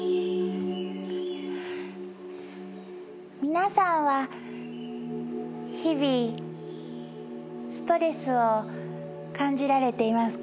皆さんは日々ストレスを感じられていますか？